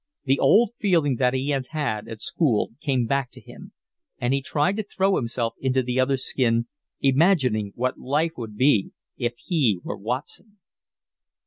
The old feeling that he had had at school came back to him, and he tried to throw himself into the other's skin, imagining what life would be if he were Watson.